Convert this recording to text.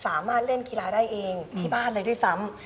สามารถเล่นกีฬาได้เองที่บ้านเลยด้วยซ้ำ